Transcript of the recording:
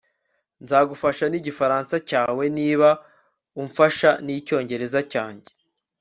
Nzagufasha nigifaransa cyawe niba umfasha nicyongereza cyanjye